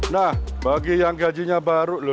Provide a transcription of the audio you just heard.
nah bagi yang gajinya baru lho